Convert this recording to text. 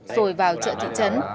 rồi vào chợ thị trấn